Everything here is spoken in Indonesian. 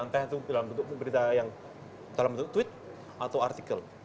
entah itu dalam bentuk tweet atau artikel